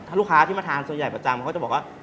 ถ้าลูกค้าที่มาทานส่วนใหญ่ประจำเขาจะบอกว่า